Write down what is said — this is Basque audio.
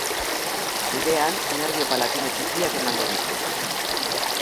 Bidean, nerbio palatino txikiak emango ditu.